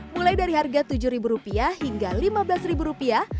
mulai dari harga tujuh ribu rupiah hingga lima belas rupiah